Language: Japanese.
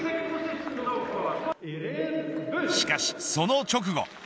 しかしその直後。